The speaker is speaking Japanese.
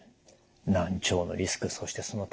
難聴のリスクそしてその対策